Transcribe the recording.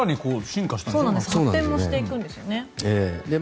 発展もしていくんですよね。